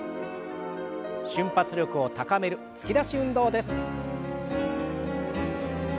瞬発力を高める突き出し運動です。